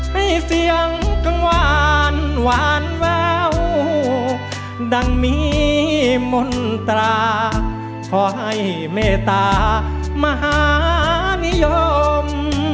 ให้เสียงกังวานหวานแววดังมีมนตราขอให้เมตตามหานิยม